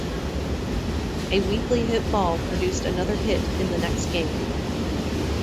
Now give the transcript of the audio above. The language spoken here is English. A weakly hit ball produced another hit in the next game.